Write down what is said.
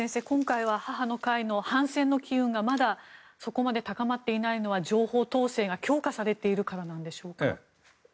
今回は母の会の反戦の機運がまだそこまで高まっていないのは情報統制が強化されているからなんでしょうか。